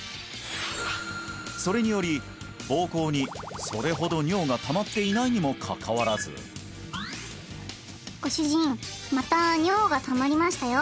それにより膀胱にそれほど尿がたまっていないにもかかわらずご主人また尿がたまりましたよ